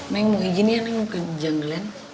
neng mau gini ya neng mau ke jungle land